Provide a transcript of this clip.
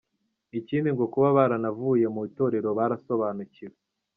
Ikindi ngo kuba baranavuye mu itorero barasobanukiwe.